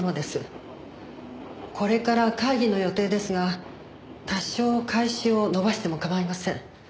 これから会議の予定ですが多少開始を延ばしても構いません。